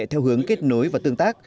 theo hướng kết nối và tương tác